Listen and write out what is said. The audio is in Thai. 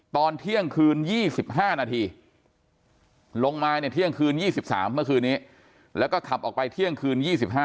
ตอนเที่ยงคืน๒๕นาทีลงมาเนี่ยเที่ยงคืน๒๓เมื่อคืนนี้แล้วก็ขับออกไปเที่ยงคืน๒๕